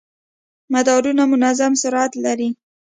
مدارونه منظم سرعت لري.